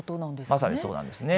まさにそうなんですね。